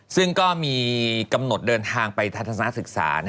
ซึ่งก็มีกำหนดเดินทางไปทัศนศึกษา